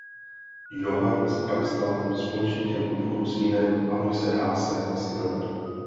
Johann se pak stal společníkem obchodu s vínem "Alois Haase a synové".